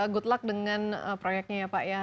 good luck dengan proyeknya ya pak ya